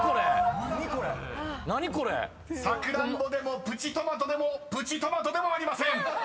何これ⁉［「さくらんぼ」でも「プチトマト」でも「プチトマト」でもありません！］